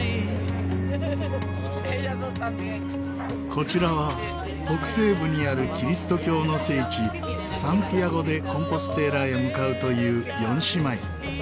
こちらは北西部にあるキリスト教の聖地サンティアゴ・デ・コンポステーラへ向かうという４姉妹。